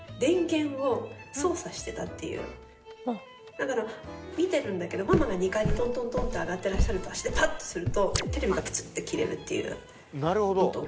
だから見てるんだけどママが２階にトントントンって上がってらっしゃると足で「タッ！」ってするとテレビがプツッて切れるっていうのとか。